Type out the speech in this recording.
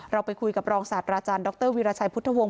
เราไปคุยกับรองศาสตราจารย์ดรวิราชัยพุทธวงศ